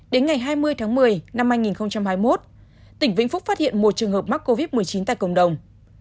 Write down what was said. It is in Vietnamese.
đến ngày hai mươi tháng một mươi năm hai nghìn hai mươi một tỉnh vĩnh phúc phát hiện một trường hợp mắc covid một mươi chín tại cộng đồng